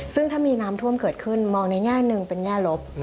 ซึ่งถ้ามีน้ำท่วมเกิดขึ้นมองในแง่หนึ่งเป็นแง่ลบ